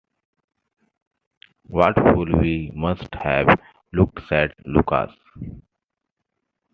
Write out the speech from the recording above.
"What fools we must have looked," said Lucas.